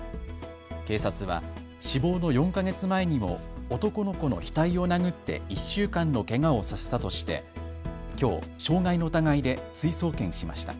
警察は死亡の４か月前にも男の子の額を殴って１週間のけがをさせたとしてきょう傷害の疑いで追送検しました。